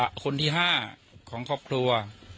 ชมพู่ก็เป็นหลานคนที่๕ของครอบครัว